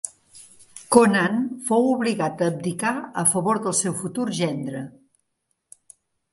Conan fou obligat a abdicar a favor del seu futur gendre.